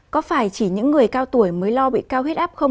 có phải chỉ những người cao tuổi mới lo bị cao huyết áp